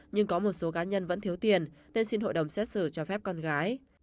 nhưng có một số cá nhân vẫn thiếu tiền nên xin hội đồng xét xử cho phép con gái